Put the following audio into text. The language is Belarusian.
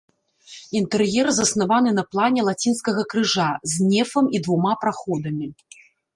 Інтэр'ер заснаваны на плане лацінскага крыжа, з нефам і двума праходамі.